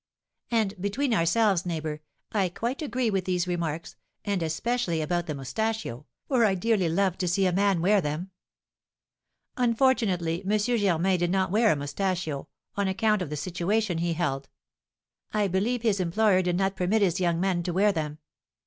And between ourselves, neighbour, I quite agree with these remarks, and especially about the moustachio, for I dearly love to see a man wear them. Unfortunately M. Germain did not wear a moustachio, on account of the situation he held; I believe his employer did not permit his young men to wear them.